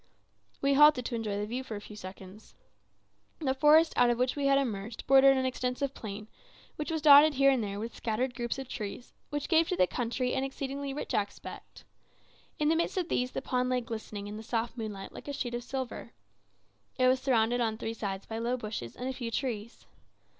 We halted to enjoy the view for a few seconds. The forest out of which we had emerged bordered an extensive plain, which was dotted here and there with scattered groups of trees, which gave to the country an exceedingly rich aspect. In the midst of these the pond lay glittering in the soft moonlight like a sheet of silver. It was surrounded on three sides by low bushes and a few trees.